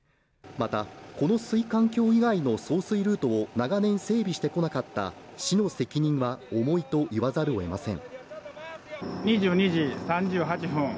また、この水管橋以外の送水ルートを長年、整備してこなかった市の責任は重いといわざるをえません。